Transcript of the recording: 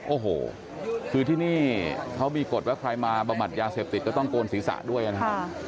โอ้โหคือที่นี่เขามีกฎว่าใครมาบำบัดยาเสพติดก็ต้องโกนศีรษะด้วยนะครับ